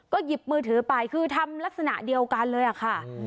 ก็หยิบมือถือไปคือทำลักษณะเดียวกันเลยอะค่ะ